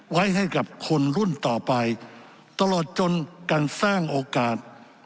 ไว้ให้กับคนรุ่นต่อไปตลอดจนการสร้างโอกาส